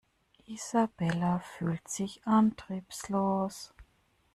Isabella fühlt sich antriebslos.